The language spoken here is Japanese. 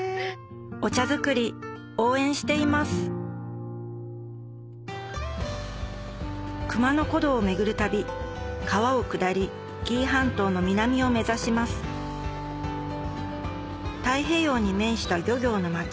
お茶作り応援しています熊野古道を巡る旅川を下り紀伊半島の南を目指します太平洋に面した漁業の町